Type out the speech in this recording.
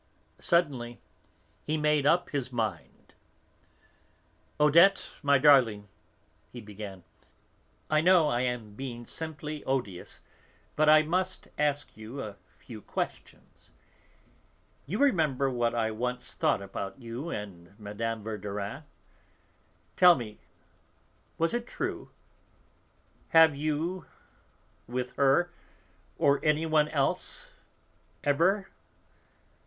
Suddenly he made up his mind. "Odette, my darling," he began, "I know, I am being simply odious, but I must ask you a few questions. You remember what I once thought about you and Mme. Verdurin? Tell me, was it true? Have you, with her or anyone else, ever?"